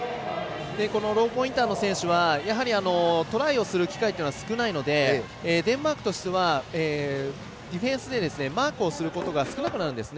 ローポインターの選手はやはりトライをする機会は少ないので、デンマークとしてはディフェンスでマークをすることが少なくなるんですね。